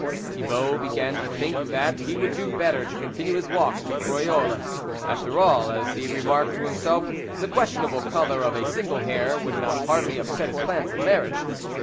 Thibault began to think that he would do better to continue his walk to royolles ; after all, as he remarked to limself, the questionable colour of a single hair would not hardly upset his plans of marriage.